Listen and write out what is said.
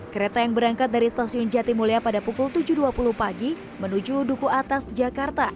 kereta yang berangkat dari stasiun jatimulia pada pukul tujuh dua puluh pagi menuju duku atas jakarta